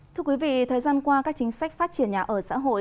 thưa quý vị thời gian qua các chính sách phát triển nhà ở xã hội